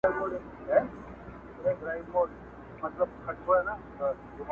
• کتاب د انسان تر ټولو ښه ملګری دی چي تل ورسره مرسته کوي -